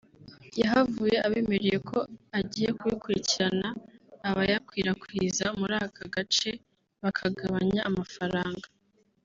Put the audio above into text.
yahavuye abemereye ko agiye kubikurikirana abayakwirakwiza muri aka gace bakagabanya amafaranga